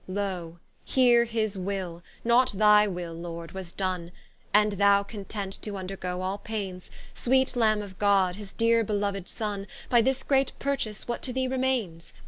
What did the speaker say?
Loe here his Will, not thy will, Lord, was done, And thou content to vndergoe all paines; Sweet Lambe of God, his deare beloved Sonne, By this great purchase, what to thee remaines?